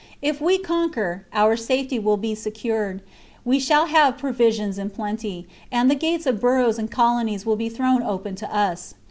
If we conquer, our safety will be se cured ; we shall have provisions in plenty, and the gates of boroughs and colonies will be thrown open to us.